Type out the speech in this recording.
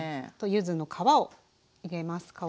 あと柚子の皮を入れます